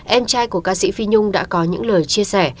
em trai của ca sĩ phi nhung đã có những lời chia sẻ